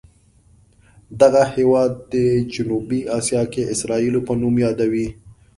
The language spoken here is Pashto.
دغه هېواد جنوبي اسیا کې اسرائیلو په نوم یادوي.